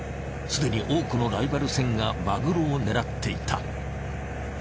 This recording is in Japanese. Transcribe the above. すでに多くのライバル船がマグロを狙っていた。